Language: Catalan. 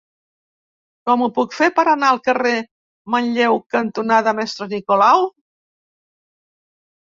Com ho puc fer per anar al carrer Manlleu cantonada Mestre Nicolau?